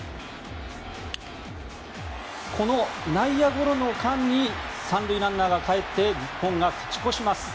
この内野ゴロの間に３塁ランナーがかえって日本が勝ち越します。